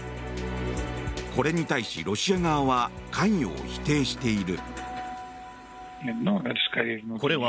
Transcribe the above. これに対しロシア側は関与を否定している。